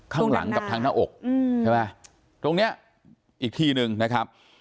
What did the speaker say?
ข้างหลังกับทางหน้าอกใช่ไหมตรงเนี้ยอีกทีหนึ่งนะครับ